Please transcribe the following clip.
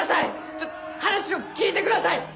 ちょっと話を聞いてください！